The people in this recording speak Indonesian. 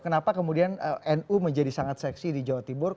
kenapa kemudian nu menjadi sangat seksi di jawa timur